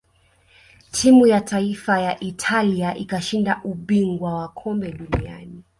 timu ya taifa ya italia ikashinda ubingwa wa kombe dunia